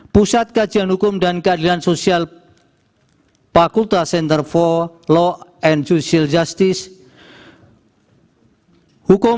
pusat kajian hukum dan keadilan sosial fakultas center for low and juicial justice